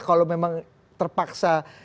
kalau memang terpaksa